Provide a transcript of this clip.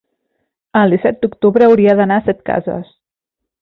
el disset d'octubre hauria d'anar a Setcases.